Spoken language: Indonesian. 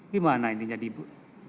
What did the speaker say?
gimana intinya di ibu